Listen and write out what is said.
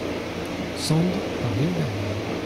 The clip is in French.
Sand, par Léon Bernard.